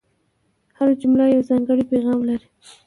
هره جمله یو ځانګړی پیغام لري.